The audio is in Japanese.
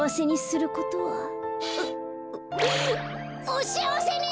おしあわせに！